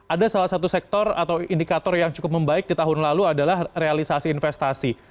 ada salah satu sektor atau indikator yang cukup membaik di tahun lalu adalah realisasi investasi